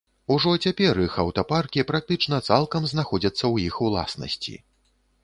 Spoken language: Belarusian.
Ужо цяпер іх аўтапаркі практычна цалкам знаходзяцца ў іх уласнасці.